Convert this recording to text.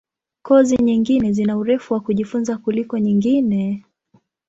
Kozi nyingine zina urefu wa kujifunza kuliko nyingine.